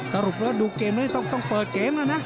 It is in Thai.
สรุปแล้วดูเกมนี้ต้องเปิดเกมแล้วนะ